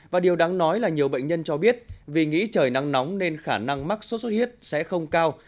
và điều đáng nói là nhiều bệnh nhân cho biết vì nghĩ trời nắng nóng nên khả năng mắc sốt xuất huyết sẽ không cao